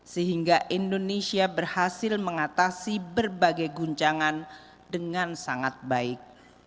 sehingga indonesia berhasil mengatasi berbagai guncangan dengan sangat baik